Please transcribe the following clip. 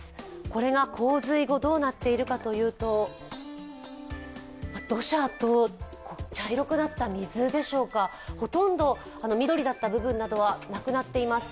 これが洪水後、どうなっているかというと、土砂と茶色くなった水でしょうかほとんど緑だった部分などはなくなっています。